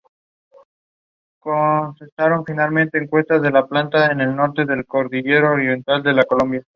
Tuvo cuando menos una hija, que casó con el capitán Rafael Navarrete.